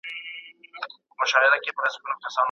آیا د مشرانو درناوی د کشرانو تر نازولو مهم دی؟